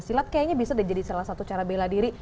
silat kayaknya bisa jadi salah satu cara bela diri